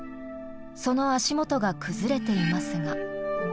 その足元が崩れていますが。